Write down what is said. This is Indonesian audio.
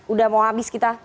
udah mau habis kita